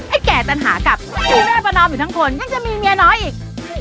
แก่ปัญหากับมีแม่ประนอมอยู่ทั้งคนยังจะมีเมียน้อยอีก